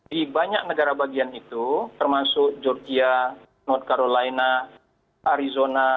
di banyak negara bagian itu termasuk georgia not carolina arizona